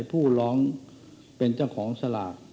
ผู้ร้องเป็นเจ้าของสลาก